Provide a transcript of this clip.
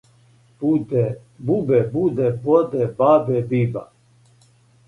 бубе буде боде бабе биба